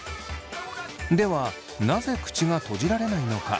ではなぜ口が閉じられないのか。